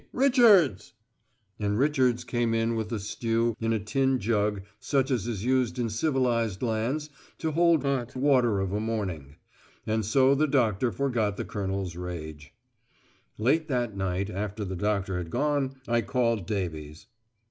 Richards!" And Richards came in with the stew in a tin jug such as is used in civilised lands to hold hot water of a morning. And so the doctor forgot the Colonel's rage. Late that night, after the doctor had gone, I called Davies.